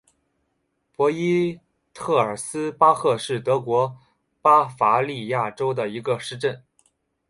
博伊特尔斯巴赫是德国巴伐利亚州的一个市镇。